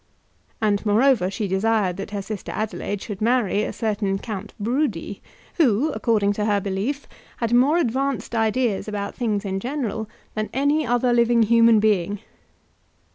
And, moreover, she desired that her sister Adelaide should marry a certain Count Brudi, who, according to her belief, had more advanced ideas about things in general than any other living human being.